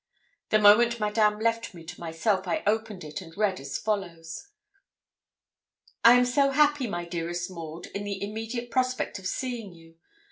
The moment Madame left me to myself, I opened it and read as follows: 'I am so happy, my dearest Maud, in the immediate prospect of seeing you.